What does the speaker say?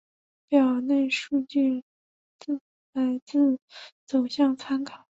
表内数据来自走向参考